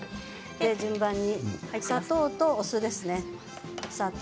それと砂糖とお酢ですね。